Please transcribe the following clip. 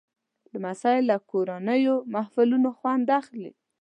لمسی له کورنیو محفلونو خوند اخلي.